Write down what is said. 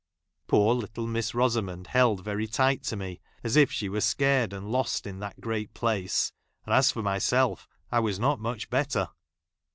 Poor little Miss Rosamond ij held very tight to me, as if she wei e scared and lost in that great place, and, as for myself, ! I was not much better.